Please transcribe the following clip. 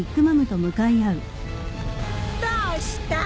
どうした？